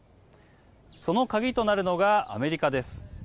その鍵となるのが、アメリカです。